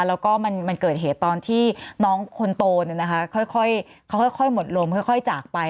แล้วก็มันเกิดเหตุตอนที่น้องคนโตค่อยหมดลมค่อยจากไป